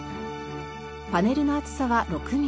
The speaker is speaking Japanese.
パネルの厚さは６ミリ。